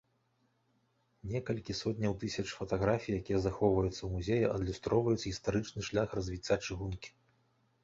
Некалькі сотняў тысяч фатаграфій, якія захоўваюцца ў музеі, адлюстроўваюць гістарычны шлях развіцця чыгункі.